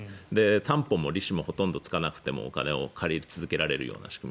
担保も利子もほとんどつかなくてもお金を借り続けられる仕組み。